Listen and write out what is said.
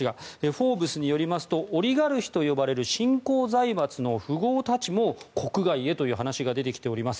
「フォーブス」によりますとオリガルヒと呼ばれる新興財閥の富豪たちも国外へという話が出てきています。